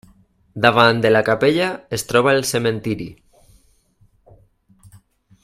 Davant de la capella es troba el cementiri.